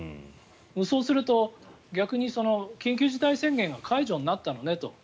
そうすると逆に緊急事態宣言が解除になったのねと。